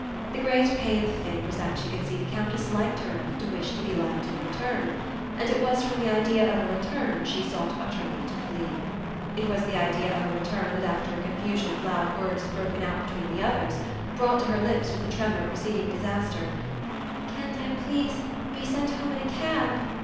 The great pain of the thing was that she could see the Countess liked her enough to wish to be liked in return, and it was from the idea of a return she sought utterly to flee. It was the idea of a return that after a confusion of loud words had broken out between the others brought to her lips with the tremor preceding disaster: "Can't I, please, be sent home in a cab?"